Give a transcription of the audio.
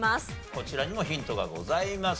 こちらにもヒントがございます。